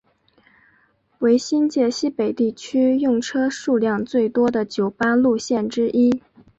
为新界西北地区用车数量最多的九巴路线之一。